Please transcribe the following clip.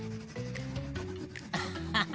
アッハハ！